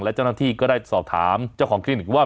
และเจ้าหน้าที่ก็ได้สอบถามเจ้าของคลินิกว่า